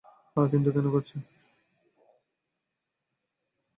হ্যাঁ, কিন্তু কেন করছে?